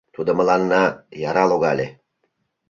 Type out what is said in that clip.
— Тудо мыланна яра логале.